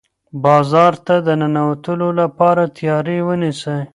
بازار ته د ننوتلو لپاره تیاری ونیسه.